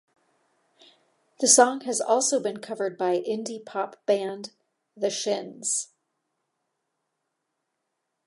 The song has also been covered by indie pop band, The Shins.